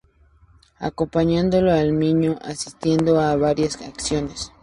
Acompañándolo al Miño, asistiendo a varias acciones.